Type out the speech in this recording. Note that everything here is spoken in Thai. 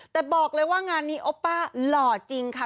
แต่บอกเลยว่างานนี้โอป้าหล่อจริงค่ะ